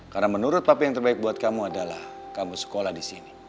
karena menurut papi yang terbaik buat kamu adalah kamu sekolah di sini